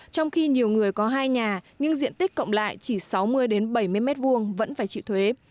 trong khi nhiều người có hai nhà nhưng diện tích cộng lại chỉ sáu mươi đến bảy mươi mét vuông vẫn phải chịu thuế